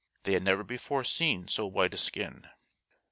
They had never before seen so white a skin.